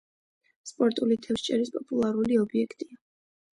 სპორტული თევზჭერის პოპულარული ობიექტია.